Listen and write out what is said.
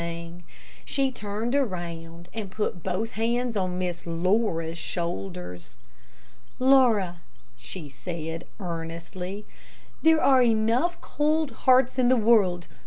She turned around and put both hands on Miss Laura's shoulders. "Laura," she said, earnestly, "there are enough cold hearts in the world.